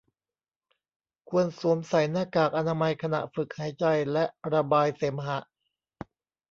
ควรสวมใส่หน้ากากอนามัยขณะฝึกหายใจและระบายเสมหะ